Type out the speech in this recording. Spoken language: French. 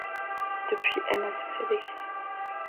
Depuis, elle n'a cessé d'écrire.